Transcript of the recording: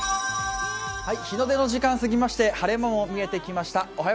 日の出の時間過ぎまして、晴れ間も見えてきました。